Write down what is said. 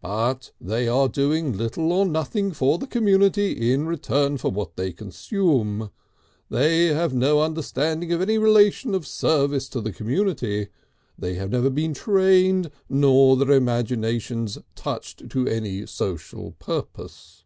But they are doing little or nothing for the community in return for what they consume; they have no understanding of any relation of service to the community, they have never been trained nor their imaginations touched to any social purpose.